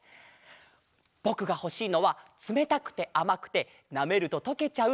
ぼくがほしいのはつめたくてあまくてなめるととけちゃう